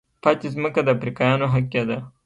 پاتې ځمکه د افریقایانو حق کېده.